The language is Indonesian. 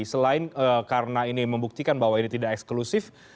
selain karena ini membuktikan bahwa ini tidak eksklusif